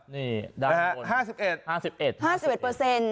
นี่ด้านไว้พอ๕๑เปอร์เซ็นต์